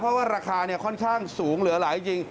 เพราะว่าราคาค่อนข้างสูงเหลือหลายจริง